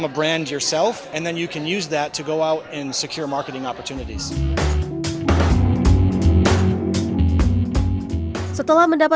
tidak ada sosialitas rahasia tidak ada satu satunya